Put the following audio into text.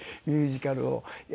ミュージカルを。